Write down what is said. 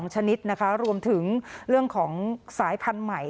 ชนิดนะคะรวมถึงเรื่องของสายพันธุ์ใหม่